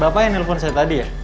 bapak yang nelfon saya tadi ya